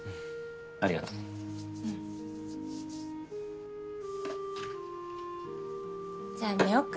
ありがとう。じゃあ寝よっか。